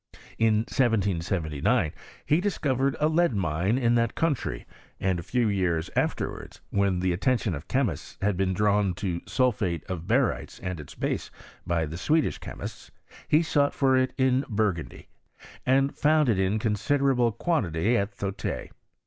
In 1779 he discovered a lead mine in that country, and a few years afterwards, when the atten tion of chemists had been drawn to sulphate of barytes and its base, by the Swedish chemists, he sought for it in Burgundy, and found it inconsi derable quantity at Thote.